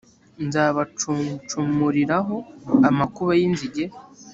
nzabacunshumuriraho amakuba y’inzige,